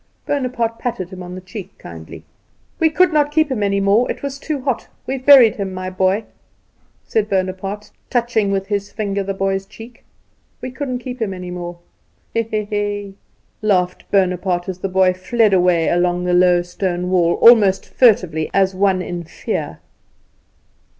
Bonaparte patted him on the cheek kindly. "We could not keep him any more, it was too hot. We've buried him, my boy," said Bonaparte, touching with his finger the boy's cheek. "We couldn't keep him any more. He, he, he!" laughed Bonaparte, as the boy fled away along the low stone wall, almost furtively, as one in fear.